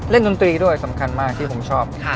ดนตรีด้วยสำคัญมากที่ผมชอบ